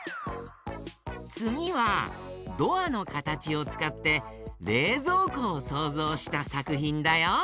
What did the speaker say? つぎはドアのかたちをつかってれいぞうこをそうぞうしたさくひんだよ。